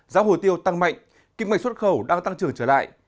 giá hồ tiêu tăng mạnh kinh mạch xuất khẩu đang tăng trưởng trở lại